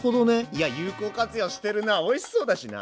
いや有効活用してるなおいしそうだしな。